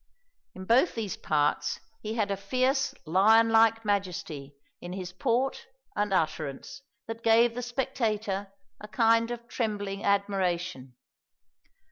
In both these parts he had a fierce lion like majesty in his port and utterance that gave the spectator a kind of trembling admiration."